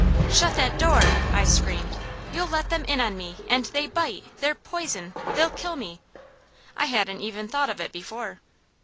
"Shut that door!" I screamed. "You'll let them in on me, and they bite! They're poison! They'll kill me!" I hadn't even thought of it before.